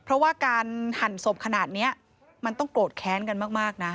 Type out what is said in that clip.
เพราะว่าการหั่นศพขนาดนี้มันต้องโกรธแค้นกันมากนะ